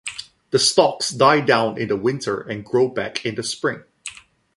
The stalks die down in the winter and grow back in the spring.